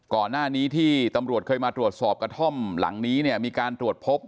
ก่อนหน้านี้ที่ตำรวจเคยมาตรวจสอบกระท่อมหลังนี้เนี่ยมีการตรวจพบ